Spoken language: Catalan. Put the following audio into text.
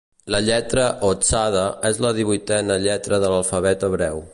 La lletra o tsade és la divuitena lletra de l'alfabet hebreu.